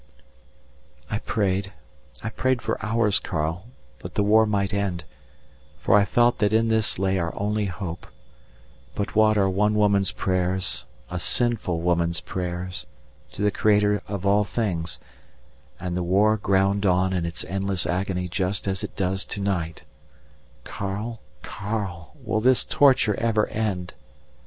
I prayed, I prayed for hours, Karl, that the war might end, for I felt that in this lay our only hope but what are one woman's prayers, a sinful woman's prayers, to the Creator of all things, and the war ground on in its endless agony just as it does to night Karl! Karl! will this torture ever end?